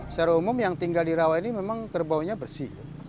secara umum yang tinggal di rawa ini memang kerbaunya bersih